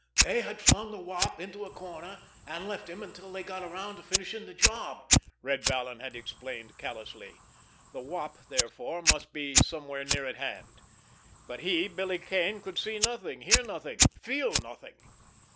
"They had flung the Wop into a corner and left him until they got around to finishing the job," Red Vallon had explained callously. The Wop, therefore, must be somewhere near at hand. But he, Billy Kane, could see nothing, hear nothing, feel nothing.